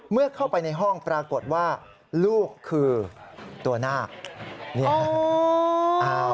เมื่อเข้าไปในห้องปรากฏว่าลูกคือตัวนาค